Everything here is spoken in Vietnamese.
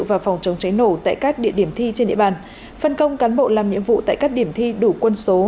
và phòng chống cháy nổ tại các địa điểm thi trên địa bàn phân công cán bộ làm nhiệm vụ tại các điểm thi đủ quân số